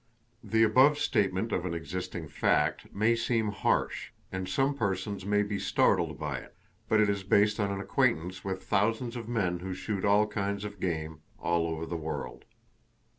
The above statement of an existing fact may seem harsh; and some persons may be startled by it; but it is based on an acquaintance with thousands of men who shoot all kinds of game, all over the world.